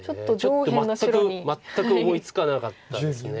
ちょっと全く思いつかなかったです。